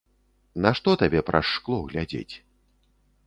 Нашто табе праз шкло глядзець.